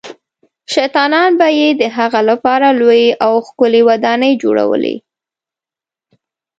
شیطانان به یې د هغه لپاره لویې او ښکلې ودانۍ جوړولې.